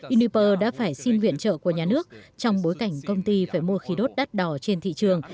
uniper đã phải xin viện trợ của nhà nước trong bối cảnh công ty phải mua khí đốt đắt đỏ trên thị trường